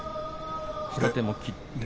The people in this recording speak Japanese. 左手も切って。